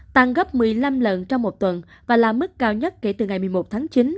tăng gấp một mươi năm lần trong một tuần và là mức cao nhất kể từ ngày một mươi một tháng chín